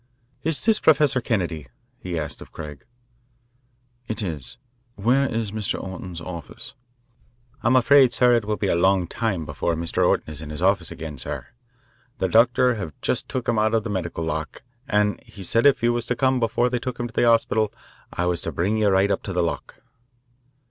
"Is this Professor Kennedy?" he asked of Craig. "It is. Where is Mr. Orton's office?" "I'm afraid, sir, it will be a long time before Mr. Orton is in his office again, sir. The doctor have just took him out of the medical lock, an' he said if you was to come before they took him to the 'orspital I was to bring you right up to the lock."